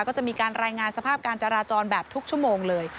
ก็จะมีการรายงานสภาพการจราจรแบบทุกชั่วโมงเลย